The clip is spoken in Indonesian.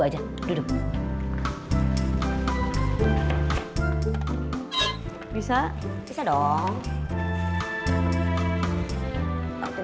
ada yang kurang dong mixer